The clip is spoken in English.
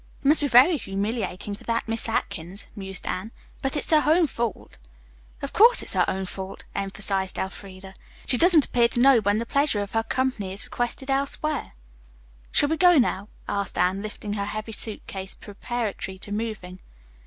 "It must be very humiliating for that Miss Atkins," mused Anne, "but it's her own fault." "Of course it's her own fault," emphasized Elfreda. "She doesn't appear to know when the pleasure of her company is requested elsewhere." "Shall we go now?" asked Anne, lifting her heavy suit case preparatory to moving.